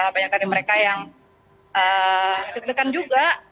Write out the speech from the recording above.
banyak dari mereka yang terkena juga